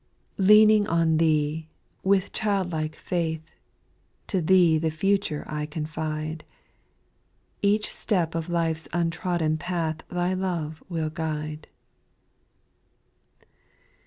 2. Leaning on Thee, with child like faith, To Thee the future I confide ; Each step of life's untrodden path Thy love will guide.